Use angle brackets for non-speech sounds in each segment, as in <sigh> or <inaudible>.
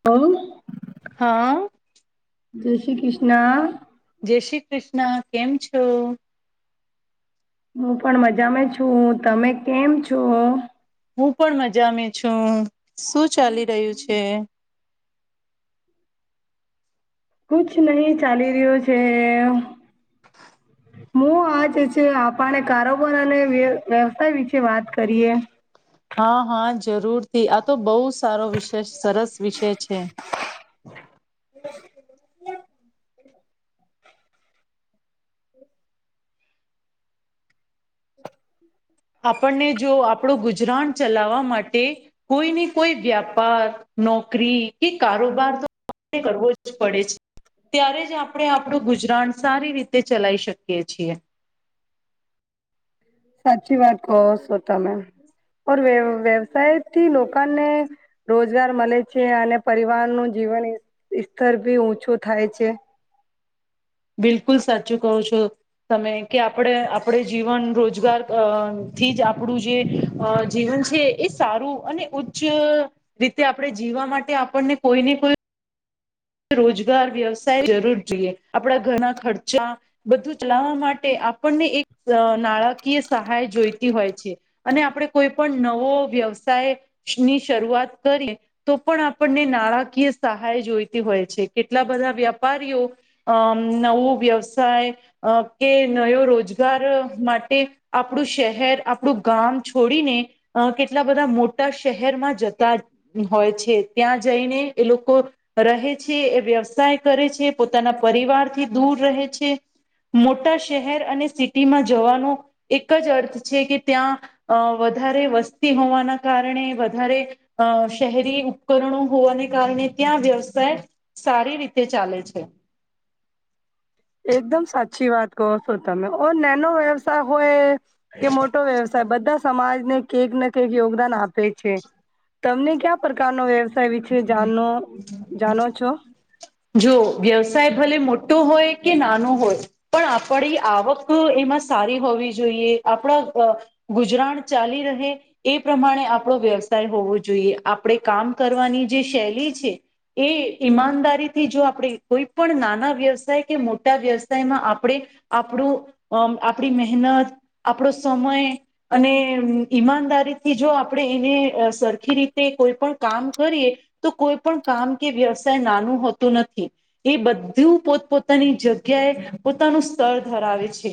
<unintelligible> હા. જય શ્રી કૃષ્ણ. જય શ્રી કૃષ્ણ કેમ છો? હું પણ મજામાં છું, તમે કેમ છો? હું પણ મજામાં છું, શું ચાલી રહ્યું છે? કુછ નહિ ચાલી રહ્યો છે. હું આજ છે, આપણે કારોબાર અને વ્યવસાય વિશે વાત કરીએ. હા, હા, જરૂરથી આ તો બહુ સારો વિષય સરસ વિષય છે. <inaudible> <unintelligible> આપણને જો આપણું ગુજરાન ચલાવવા માટે કોઈ ને કોઈ વ્યાપાર, નોકરી, કે કારોબાર તો કરવો જ પડે છે. ત્યારે જ આપણે આપણું ગુજરાન સારી રીતે ચલાવી શકીએ છીએ, સાચી વાત કહો છો તમે, ઓર વ વ્યવસાય થી લોકોને રોજગાર મળે છે, અને પરિવાર નું જીવન સ્તર ભી ઉછું થાય છે. બિલકુલ સાચું કહો છો. તમે કે આપણે આપણે જીવન રોજગાર થી જ આપણું જે જીવન છે, એ સારું અને ઉચ્ચ રીતે આપણે જીવવા માટે આપણને કોઈને કોઈ રોજગાર વ્યવસાય જરૂર જોઈએ આપડા ઘરના ખર્ચા બધું ચલાવવા માટે આપણને એક નાણાકીય સહાય જોઈતી હોય છે. અને આપણે કોઈ પણ નવો વ્યવસાય ની શરૂઆત કરીએ, તો પણ આપણને નાણાકીય સહાય જોઈ તી હોય છે, કેટલા બધા વ્યાપારીઓ અમ નવું વ્યવસાય અ કે નયો રોજગાર માટે આપણું શહેર આપણું ગામ છોડીને, અ કેટલા બધા મોટા શહેરમાં જતા હોય છે, ત્યાં જઈને એ લોકો રહે છે એ વ્યવસાય કરે છે, પોતાના પરિવારથી દૂર રહે છે, મોટા શહેર અને સિટીમાં જવાનો એક જ અર્થ છે કે ત્યાં અ વધારે વસ્તી હોવાના કારણે વધારે અ શહેરી ઉપકરણો હોવાને કારણે ત્યાં વ્યવ સાય સારી રીતે ચાલે છે. એકદમ સાચી વાત કહો છો તમે ઓ નાનો વ્યવસાય હોય કે મોટ ટો વ્યવસાય બધા સમાજને કંઈકને કઈક યોગદાન આપે છે, તમને ક્યા પ્રકારનો વ્યવસાય વિશે જાણનો જાણો છો જો વ્યવસાય ભલે મોટો હોય કે નાનો હોય પણ આપણી આવક એમાં સારી હોવી જોઈએ આપણા ગુજરાન ચાલી રહે એ પ્રમાણે આપણો વ્યવસાય હોવો જોઈએ આપણે કામ કરવાની જે શૈલી છે એ ઈમાનદારીથી જો આપણે કોઈ પણ નાના વ્યવસાય કે મોટા વ્યવસાયમાં આપણે આપણું અ આપણી મહેનત આપણો સમય અને ઈમાનદારીથી જો આપણેે એને સરખી રીતે કોઈ પણ કામ કરીએ તો કોઈ પણ કામ કે વ્યવસાય નાનું હોતું નથી. એ બધું પોત પોતાની જગ્યાએ પોતાનું સ્તર ધરાવે છે,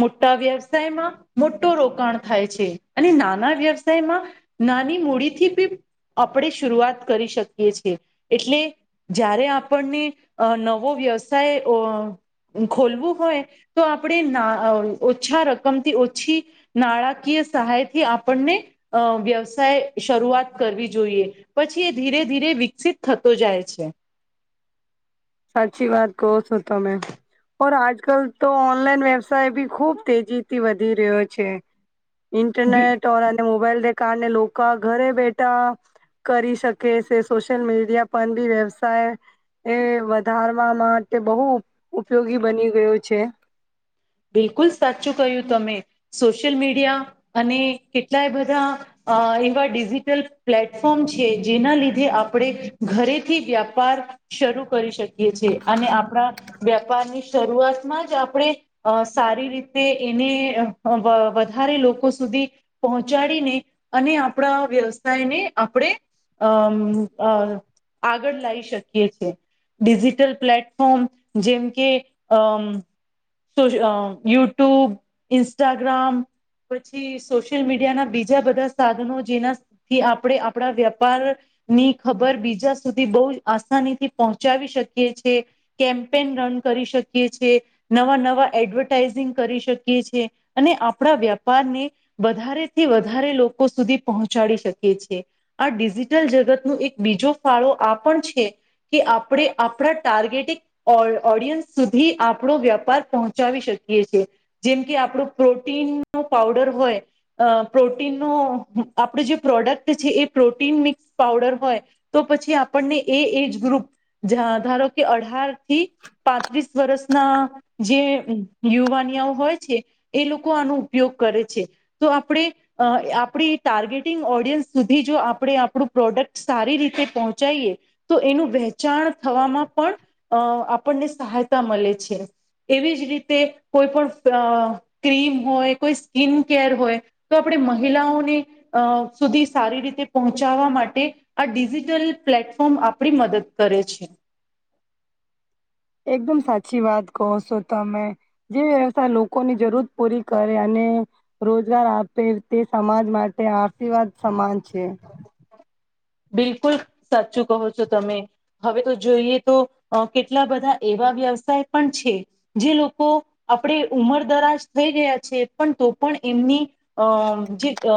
મોટા વ્યવસાયમાં મોટો રોકાણ થાય છે, અને નાના વ્યવસાયમાં નાની મૂડી થી બી આપણે શરૂઆત કરી શકીએ છીએ, એટલે જયારે આપણને અ નવો વ્યવસાય અ ખોલવું હોય તો આપણે ના ઓછા રકમથી ઓછી નાણાકીય સહાય થી આપણને અ વ્યવસાય શરૂઆત કરવી જોઈએ, પછી એ ધીરે ધીરે વિકસિત થતો જાય છે. સાચી વાત કહો છો તો મેં પણ આજ કલ તો ઓનલાઈન વ્યવસાય બી ખુબ તેજીથી વધી રહ્યો છે, ઇન્ટરનેટ ઓર અને મોબાઈલને કારણે લોકો ઘરે બેઠા કરી શકે છે, સોશિયલ મીડિયા પણ બી વ્યવસાય એ ધારવા માટે બહુ ઉપયોગી બની ગયો છે. બિલકુલ સાચું કહ્યું તમે સોશિયલ મીડિયા અને કેટલાય બધા અ એવા ડિજીિટલ પ્લેટફોર્મ છે, જેના લીધે આપણે ઘરેથી વ્યાપાર શરૂ કરી શકીએ છે અને આપણા વેપારની શરૂઆતમાં જ આપણે અ સારી રીતે એને વધારે લોકો સુધી પહોંચાડીને અને આપણા વ્યવસાયને આપણે અમ અ આગળ લાવ શકીએ છેએ. ડિજિટલ પ્લેટફોર્મ જેમ કે અ યુટ્યુબ ઇન્સ્ટાગ્રામ પછી સોશિયલ મીડિયા ના બીજા બધા સાધનો જેના થી આપણેે આપણા વ્યાપાર ની ખબર બીજા સુધી બહુ આસાનીથી પહોંચાવી શકીએ છે. કેમ્પેન રન કરી શકીએ છેીએ, નવા-નવા એડવર્ટાઈઝિંગ કરી શકીએ છે અને આપણા વ્યાપારને વધારેથી વધારે લોકો સુધી પહોંચાડી શકે છે. આ ડિજિટલ જગત ન એક બીજો ફાળો આ પણ છે. કે આપણે આપણા ટાર્ગેટેિક ઓડિયન્સ સુધી આપણો વ્યાપાર પહોંચ ચાવી શકીએ છે જેથી આપણું પ્રોટીન નું પાવડર હોય. અ પ્રોટીનનો આપણ જે પ્રોડક્ટ છે, એ પ્રોટીન મિક્સ પાવડર હોય. તો પછી આપણને એ એજ ગ્રુપ ધારો કે અઢાર થી પાંત્રીસ વર્ષના જે યુવાનિયાઓ હોય છે, એ લોકો આનો ઉપયોગ કરે છે, તો આપણે અ આપણી ટાર્ગેટિંગ ઓડિયન્સ સુધી જો આપણે આપણું પ્રોડક્ટ સારી રીતે પહોંચીએ તો એનું વહેચાણ થવામાં પણ અ આપણને સહાયતા મલે છે. એવી જ રીતે કોઈ પણ ક્રીમ હોય, કોઈ સ્કીિન કેર હોય. તો આપણે મહિલાઓને અ સુધી સારી રીતે પહોંચાવા માટે આ ડિજીિટલ પ્લેટફોર્મ આપણી મદદ કરે છે. એકદમ સાચી વાત કહો છો, તમે જે વ્યવથાય લોકોની જરૂર પૂરી કરે અને રોજગાર આપે તે સમાજ માટે આશીર્વાદ સમાન છે. બિલકુલ સાચું કહો છો તમે. હવે તો જોઈએ તો કેટલા બધા એવા વ્યવસાય પણ છે. જે લોકો આપણેે ઉમર દરાજ થઈ ગયા છે પણ, તો પણ, એમની અમ જી અ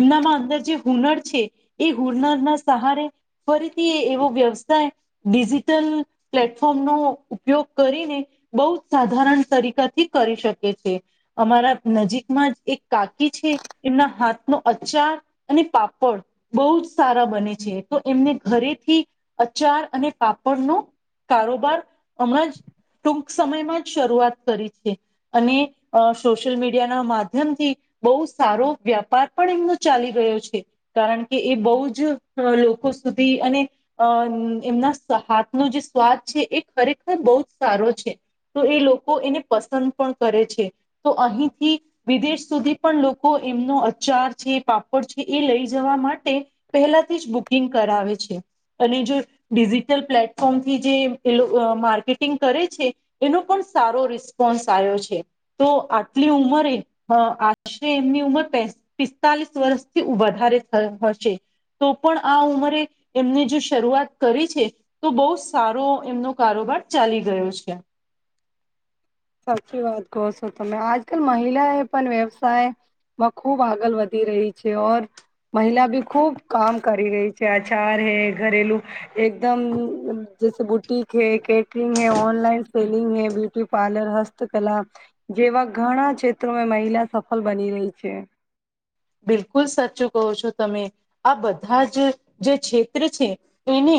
એમનામાં અંદર જે હુનર છે, એ હુનરના સહારે ફરીથી એવો વ્યવસાય ડિજિટલ પ્લેટફોર્મ નો ઉપયોગ કરીને બહુ સાધારણ તરીકાથી કરી શકે છે. અમારા નજીકમાં જ એક કાકી છે, એમના હાથ નુ અચાર અને પાપડ બહુ જ સારા બને છે, તો એમને ઘરેથી અચાર અને પાપડનો કારોબાર હમણાં જ ટૂક સમયમાં જ શરૂઆત કરી છે. અને સોશિયલ મીડિયા ના માધ્યમથી બહુ સારો વ્યાપાર પણ એમનો ચાલી ગયો છે, કારણ કે એ બહુ જ લોકો સુધી અને અ એમના હાથનો જે સ્વાદ છે એ ખરેખર બહુ જ સારો છે. તો એ લોકો એને પસંદ પણ કરે છે. તો અહીંથી વિદેશ સુધી પણ લોકો એમનો અ ચાર છે પાપડ છે એ લઈ જવા માટે પહેલાથી જ બુકિંગ કરાવે છે. અને જો ડિજિટલ પ્લેટફોર્મથી જે એ માર્કેટિંગ કરે છે, એનો પણ સારો રિસ્પોન્સ આવ્યો છે. તો આટલી ઉમરે અ આશરે એમની ઉમર પેસ પિસ્તાલીસ વર્ષથી વધારે થ હશે. તો પણ આ ઉંમરે એમને જો શરૂઆત કરી છે. તો બહુ સારો એમનો કારોબાર ચાલી ગયો છે. સાચી વાત કહો છો તમે આજકાલ મહિલા એ પણ વ્યવસાય, માં ખુબ આગળ વધી રહી છે ઓર, મહિલા બી ખુબ કામ કરી રહી છે અચાર હે ઘરેલું, એકદમ જૈસે બુટીક હૈ, કેટરિંગ હૈ, ઓનલાઇન સેલિંગ હૈ, બ્યુટી પાર્લર, હસ્તકલા જેવા ઘણા ક્ષેત્રોમાં મહિલા સફળ બની રહી છે. બિલકુલ સાચું કહો છો તમે. આ બધા જ જે ક્ષેત્ર છે એને,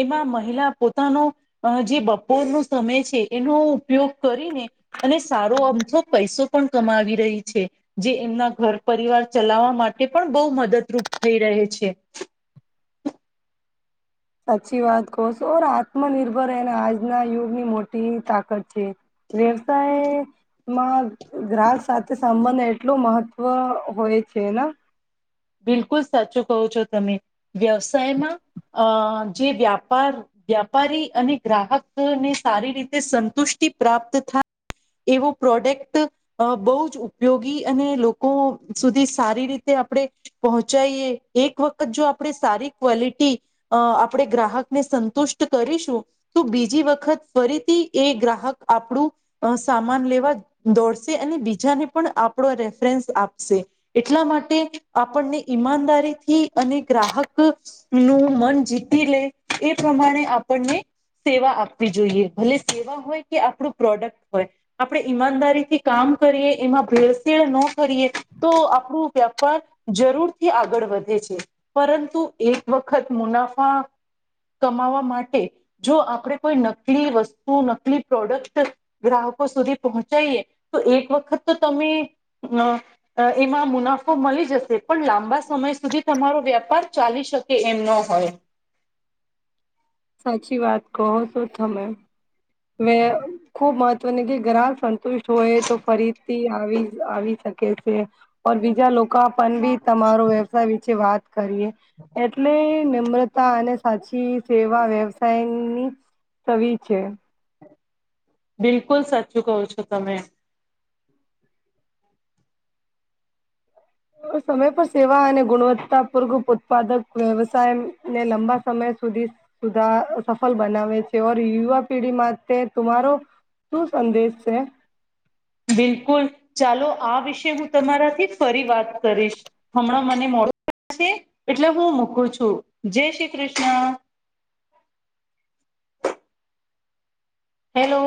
એમાં મહિલા પોતાનો, અ જે બપોરનો સમય છે એનો ઉપયોગ કરીને, અને સારો અમથો પૈસો પણ કમાવી રહી છે જે એમના ઘર, પરિવાર ચલાવવા માટે પણ બહુ મદદરૂપ થઈ રહે છે. સાચી વાત કહો છો ઔર આત્મનિર્ભર એને આજના યુગ ની મોટી તાકાત છે. વ્યવસાય, માં ગ્રાહક સાથે સંબંધ એટલો મહત્વ હોય છે ને, બિલકુલ સાચું કહો છો તમે વ્યવસાયમાં અ જે વ્યાપાર, વ્યાપારી અને ગ્રાહક ને સારી રીતે સંતુષ્ટિ પ્રાપ્ત થાય, એવો પ્રોડેક્ટ, અ બહુ જ ઉપયોગી અને લોકો સુધી સારી રીતે આપણે, પહોંચાઈએ એક વખત જો આપણે સારી ક્વલિટી, અ આપણેે ગ્રાહકને સંતુષ્ટ કરીશું, તો બીજી વખત ફરીથી એ ગ્રાહક આપણું, અ સામાન લેવા દોડશે અને બીજાને પણ આપણો રેફરન્સ આપશે. એટલા માટે આપણને ઈમાનદારીથી અને ગ્રાહક, નું મન જીતી લે એ પ્રમાણે આપણને, સેવા આપવી જોઈએ ભલે સેવા હોય કે આપણું પ્રોડક્ટ હોય. આપણે ઈમાનદારીથી કામ કરીએ એમાં ભેળસેળ ન કરીએ તો આપણું વ્યાપાર, જરૂરથી આગળ વધે છે પરંતુ એક વખત મુનાફા, કમાવા માટે જો આપણે કોઈ નકલી વસ્તુ, નકલી પ્રોડક્ટ, ગ્રાહકો સુધી પહોંચાઈએ તો એક વખત તો તમે અ, અ એમાં મુનાફો મળી જશે. પણ લાંબા સમય સુધી તમારો વ્યાપાર ચાલી શકે એમ નો હોય. સાચી વાત કહો છો તમે, ખુબ મહત્વની કે ગ્રાહક રા સંતુષ હોય તો ફરીથી આવી આવી શક કે છે ઓર બીજા લોકો પણ બી તમારો વ્યવસાય વિશે વાત કરીએ. એટલે નમ્રતા અને સાચી સેવા વ્યવસાયની, સવી છે બિલકુલ સાચું કહો છો તમે સમય પર સેવા અને ગુણવત્તાપૂર્વક ઉત્પાદક વ્યવસાય ને લાંબા સમય સુધી સુધા અ સફળ બનાવે છે ઓર યુવા પેઢી માટે તમારો શું સંદેશ છે. બિલકુલ ચાલો આ વિશે હું તમારાથી ફરી વાત કરીશ હમણાં મને મોડું થાય છે એટલે હું મૂકું છું જય શ્રી કૃષ્ણ હેલો